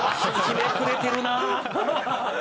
ひねくれてるな。